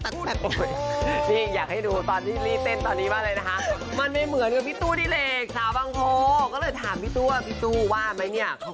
อันนี้เขามาโปรโมทคอนเสิร์ตการเข้ามส่วนของแกที่ช่วยน้ำท่วมนะคะ